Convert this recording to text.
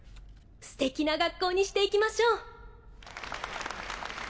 ステキな学校にしていきましょう。